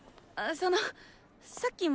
あそのっ！